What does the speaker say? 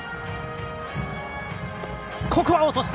ここは落とした！